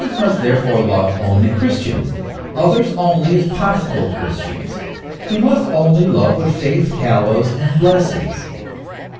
{ The Christian must therefore love only Christians others only as possible Christians; he must only love what faith hallows and blesses.